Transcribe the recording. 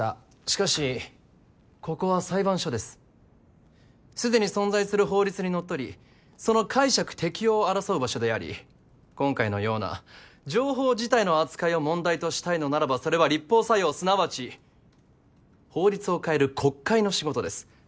しかしここは裁判所ですすでに存在する法律にのっとりその解釈適用を争う場所であり今回のような情報自体の扱いを問題としたいのならばそれは立法作用すなわち法律を変える国会の仕事です